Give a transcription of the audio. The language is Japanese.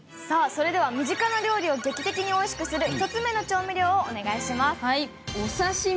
さあそれでは身近な料理を劇的においしくする１つ目の調味料をお願いします。